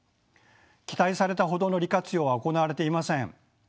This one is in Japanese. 期待されたほどの利活用は行われていません。